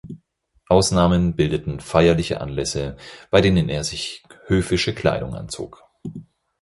Ausnahmen bildeten feierliche Anlässe, bei denen er sich höfische Kleidung anzog.